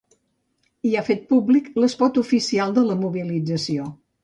I ha fet públic l’espot oficial de la mobilització.